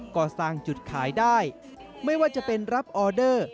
ก็สร้างจุดขายได้ไม่ว่าจะเป็นรับออเดอร์